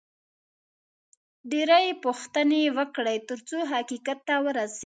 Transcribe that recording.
ډېرې پوښتنې وکړئ، ترڅو حقیقت ته ورسېږئ